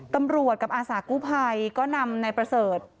ตำรวจกับอาสากู้ภัยก็นำนายประเสริฐ